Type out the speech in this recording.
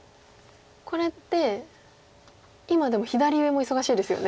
これって今でも左上も忙しいですよね。